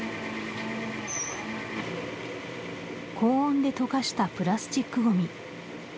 高温で溶かしたプラスチックごみ